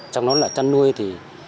trong đó là chăn nuôi thì